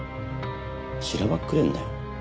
しらばっくれんなよ。